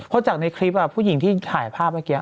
เพราะจากในคลิปผู้หญิงที่ถ่ายภาพเมื่อกี้